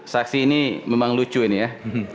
saksi ini memang lucu ini ya